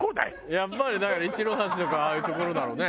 やっぱりだから一の橋とかああいう所だろうね。